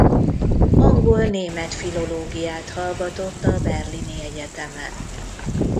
Angol–német filológiát hallgatott a berlini egyetemen.